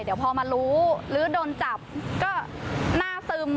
เดี๋ยวพอมารู้หรือโดนจับก็หน้าซึม